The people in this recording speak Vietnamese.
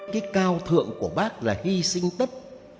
cái cao thượng của bác là hy sinh tất